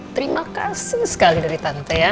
terima kasih sekali dari tante ya